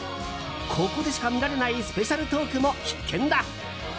ここでしか見られないスペシャルトークも必見だ。